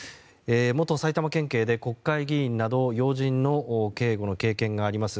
元埼玉県警で、国会議員など要人警護の経験があります